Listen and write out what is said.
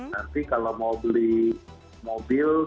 nanti kalau mau beli mobil